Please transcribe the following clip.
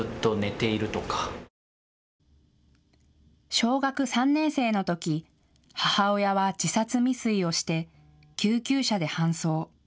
小学３年生のとき母親は自殺未遂をして救急車で搬送。